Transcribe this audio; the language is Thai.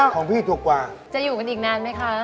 ของพี่ถูกกว่า